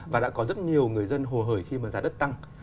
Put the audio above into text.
và đã có rất nhiều người dân hồ hời khi mà giá đất tăng